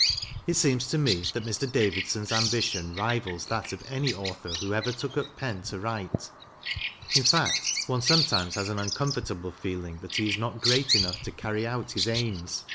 It seems to me that Mr. Davidson's ambition rivals that of any Author who ever took up pen to write. In fact, one sometimes has an uncomfortable feeling that he is not great enough to carry out his aims.